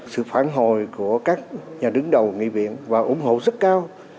sự phản hồi của các nhà đứng đầu nghị viện và ủng hộ rất cao